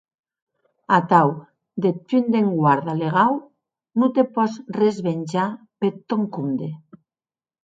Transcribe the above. Atau, deth punt d’enguarda legau, non te pòs resvenjar peth tòn compde.